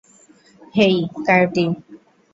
হেই, coyote.